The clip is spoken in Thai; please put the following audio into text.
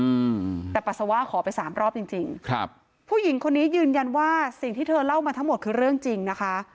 อืมแต่ปัสสาวะขอไปสามรอบจริงจริงครับผู้หญิงคนนี้ยืนยันว่าสิ่งที่เธอเล่ามาทั้งหมดคือเรื่องจริงนะคะ